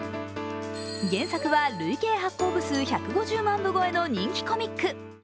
原作は累計発行部数１５０万部超えの人気コミック。